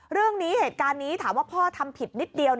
เหตุการณ์นี้เหตุการณ์นี้ถามว่าพ่อทำผิดนิดเดียว